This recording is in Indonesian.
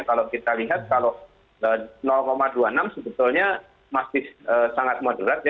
kalau kita lihat kalau dua puluh enam sebetulnya masih sangat moderat